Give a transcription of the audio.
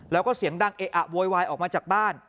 แล้วก็เสียงดังเอะอะโวยวายออกมาจากบ้าน